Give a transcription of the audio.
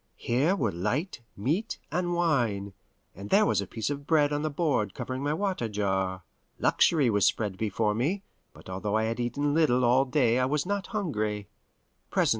Here were light, meat, and wine, and there was a piece of bread on the board covering my water jar. Luxury was spread before me, but although I had eaten little all day I was not hungry.